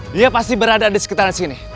dia pasti berada di sekitaran sini